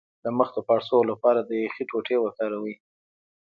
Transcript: د مخ د پړسوب لپاره د یخ ټوټې وکاروئ